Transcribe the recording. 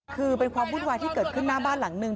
คือเป็นความวุ่นวายที่เกิดขึ้นหน้าบ้านหลังนึง